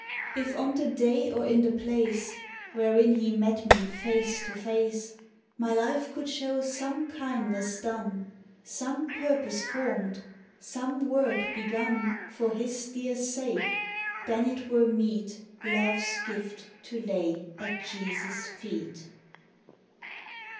If on the day or in the place Wherein he met me face to face, My life could show some kindness done, Some purpose formed, some work begun For his dear sake, then it were meet Love's gift to lay at Jesus' feet.